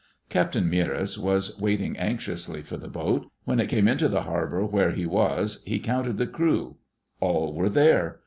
Captain Meares was waiting anxiously for the boat. When it came into the harbor where he was he counted the crew. All were there.